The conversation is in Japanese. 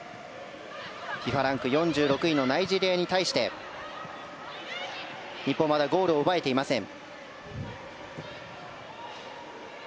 ＦＩＦＡランク４６位のナイジェリアに対して日本、まだゴールを奪えていません。